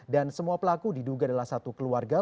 dan semua pelaku diduga adalah satu keluarga